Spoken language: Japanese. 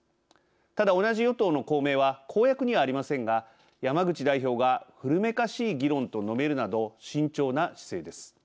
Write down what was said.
ただ同じ与党の公明は公約にはありませんが山口代表が古めかしい議論と述べるなど慎重な姿勢です。